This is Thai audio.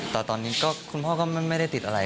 แต่ตอนนี้ก็คุณพ่อก็ไม่ได้ติดอะไร